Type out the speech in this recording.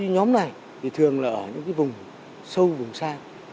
nhóm này thường là ở những vùng sâu vùng xa